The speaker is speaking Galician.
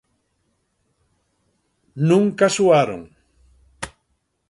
Nunca suaron.